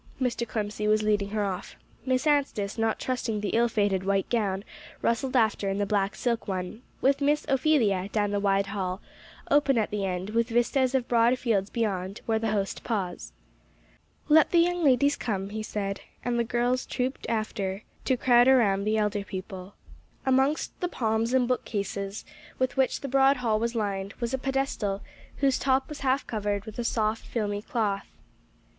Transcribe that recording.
Mr. Clemcy was leading her off. Miss Anstice, not trusting the ill fated white gown, rustled after in the black silk one, with Miss Ophelia, down the wide hall, open at the end, with vistas of broad fields beyond, where the host paused. "Let the young ladies come," he said; and the girls trooped after, to crowd around the elder people. Amongst the palms and bookcases, with which the broad hall was lined, was a pedestal, whose top was half covered with a soft, filmy cloth.